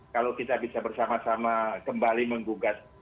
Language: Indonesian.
nah ini kalau kita bisa bersama sama kemampuan ini kita bisa mencari solusi